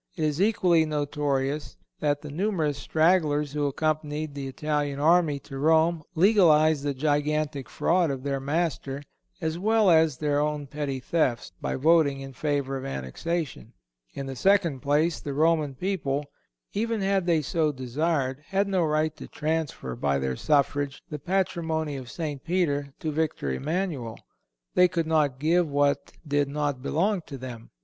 It is equally notorious that the numerous stragglers who accompanied the Italian army to Rome legalized the gigantic fraud of their master, as well as their own petty thefts, by voting in favor of annexation. In the second place, the Roman people, even had they so desired, had no right to transfer, by their suffrage, the Patrimony of St. Peter to Victor Emmanuel. They could not give what did not belong to them.